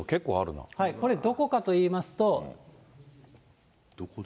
これ、どこかといいますと。